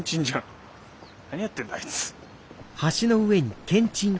何やってんだあいつ。